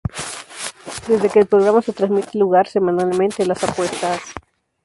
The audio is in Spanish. Desde que el programa se transmite lugar semanalmente en las apuestas.